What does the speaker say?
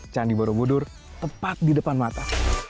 candi borobudur tepat di depan mata